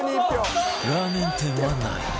ラーメン店はない